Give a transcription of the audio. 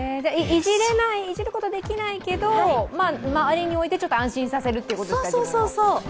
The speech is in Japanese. いじることはできないけど、周りに置いてちょっと安心するということですか。